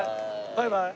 バイバイ。